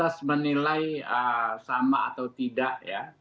kapasitas menilai sama atau tidak